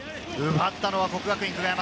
奪ったのは國學院久我山。